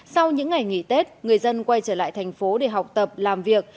sau những ngày nghỉ tết người dân quay trở lại thành phố để học tập làm việc